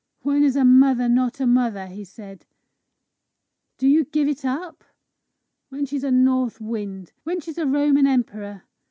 "When is a mother not a mother?" he said. " Do you give it up? When she's a north wind. When she's a Roman emperor.